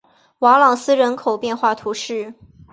瓦朗斯人口变化图示